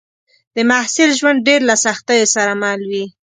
د محصل ژوند ډېر له سختیو سره مل وي